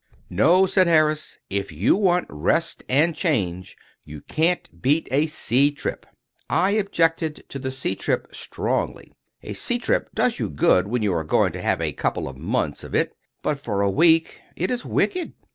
"No," said Harris, "if you want rest and change, you can't beat a sea trip." I objected to the sea trip strongly. A sea trip does you good when you are going to have a couple of months of it, but, for a week, it is wicked.